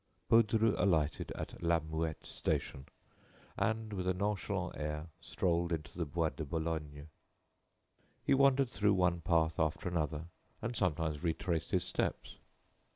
Baudru alighted at La Muette station; and, with a nonchalant air, strolled into the Bois de Boulogne. He wandered through one path after another, and sometimes retraced his steps.